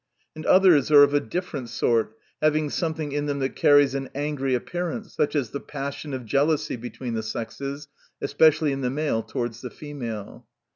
And others are of a different sort, having something in them that carries an angry appearance ; such as the passion of jealousy between the sexes, especially in the male towards the female.